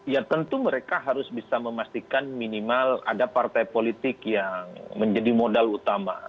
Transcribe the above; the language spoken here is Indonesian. ya tentu mereka harus bisa memastikan minimal ada partai politik yang menjadi modal utama